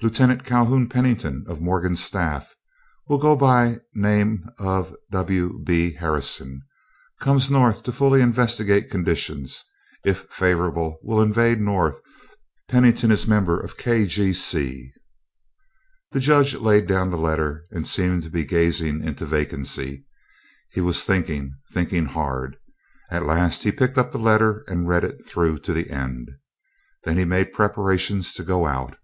"Lieutenant Calhoun Pennington of Morgan's staff ... will go by name of W. B. Harrison ... comes North to fully investigate conditions.... If favorable will invade North.... Pennington is member of K. G. C." The Judge laid down the letter and seemed to be gazing into vacancy. He was thinking—thinking hard. At last he picked up the letter and read it through to the end. Then he made preparations to go out.